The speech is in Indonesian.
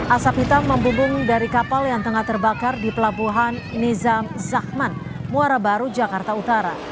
asap hitam membumbung dari kapal yang tengah terbakar di pelabuhan nizam zahman muara baru jakarta utara